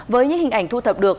với những hình ảnh thu thập được